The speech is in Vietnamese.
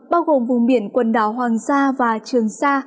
bao gồm vùng biển quần đảo hoàng sa và trường sa